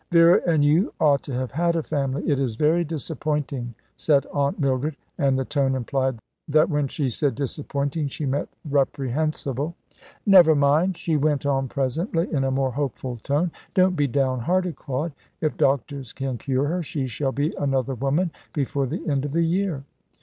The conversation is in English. "Vera and you ought to have had a family. It is very disappointing," said Aunt Mildred, and the tone implied that when she said "disappointing" she meant "reprehensible." "Never mind," she went on presently, in a more hopeful tone, "don't be down hearted, Claude. If doctors can cure her, she shall be another woman before the end of the year."